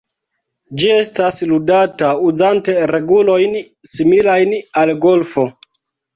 Ĝi estas ludata uzante regulojn similajn al golfo.